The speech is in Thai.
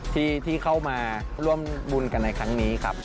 ที่เข้ามาร่วมบุญกันในครั้งนี้ครับ